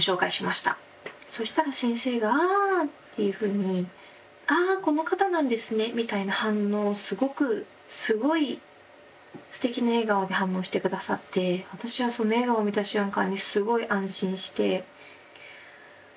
そしたら先生が「あ」っていうふうに「あこの方なんですね」みたいな反応をすごくすごいすてきな笑顔で反応して下さって私はその笑顔を見た瞬間にすごい安心して。